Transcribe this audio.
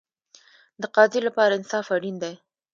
د قاضي لپاره انصاف اړین دی